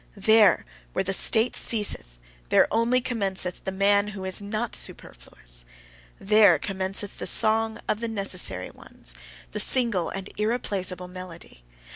There, where the state ceaseth there only commenceth the man who is not superfluous: there commenceth the song of the necessary ones, the single and irreplaceable melody.